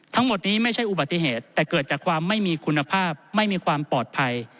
ทั้งหมดนี้ไม่ใช่อุบัติเหตุแต่เกิดจากความไม่มีคุณภาพไม่มีความปลอดภัย